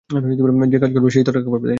যে কাজ করবে, সেই তো টাকা পাবে।